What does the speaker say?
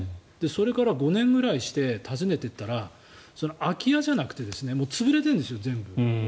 それから５年ぐらいして訪ねていったら空き家じゃなくて潰れてるんですよ。